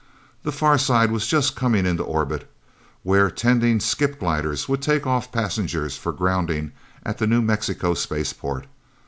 The Far Side was just coming into orbit, where tending skip gliders would take off the passengers for grounding at the New Mexico spaceport.